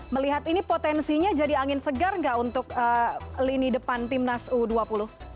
melihat ini potensinya jadi angin segar nggak untuk lini depan timnas u dua puluh